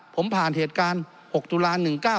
ผมผ่านเหตุการณ์๖ตุลา๑๙